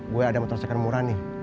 gue ada motor second murah nih